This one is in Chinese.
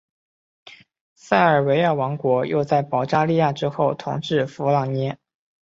塞尔维亚王国又在保加利亚之后统治弗拉涅。